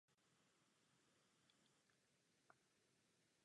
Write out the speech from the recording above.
Jako kníže byl výborný jezdec na koni.